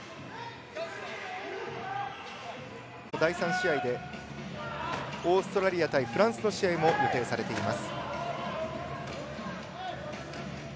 第３試合でオーストラリア対フランスの試合も予定されています。